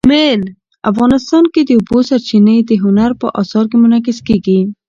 افغانستان کې د اوبو سرچینې د هنر په اثار کې منعکس کېږي.